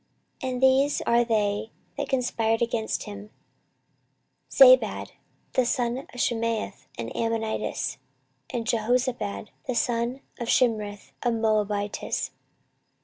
14:024:026 And these are they that conspired against him; Zabad the son of Shimeath an Ammonitess, and Jehozabad the son of Shimrith a Moabitess.